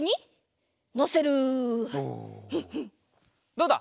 どうだ？